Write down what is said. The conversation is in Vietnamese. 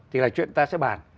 thì là chuyện ta sẽ bàn